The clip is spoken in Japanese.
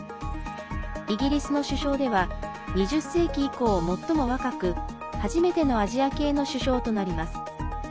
イギリスの首相では２０世紀以降、最も若く初めてのアジア系の首相となります。